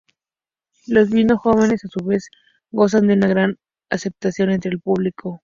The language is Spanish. Los vinos jóvenes, a su vez, gozan de una gran aceptación entre el público.